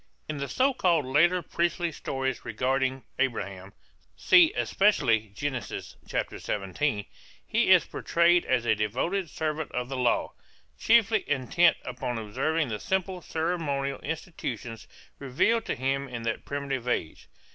In the so called later priestly stories regarding Abraham (see especially Gen. 17) he is portrayed as a devoted servant of the law, chiefly intent upon observing the simple ceremonial institutions revealed to him in that primitive age.